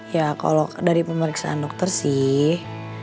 ya kalau dari pemeriksaan dokter sih